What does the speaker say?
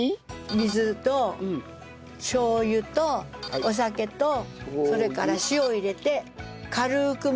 水としょう油とお酒とそれから塩を入れて軽く混ぜてください。